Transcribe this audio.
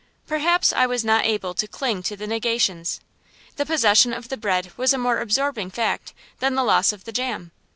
Perhaps I was not able to cling to negations. The possession of the bread was a more absorbing fact than the loss of the jam.